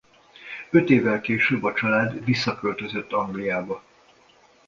Öt évvel később a család visszaköltözött Angliába.